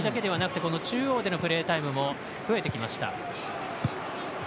中央でのプレータイムも増えてきました。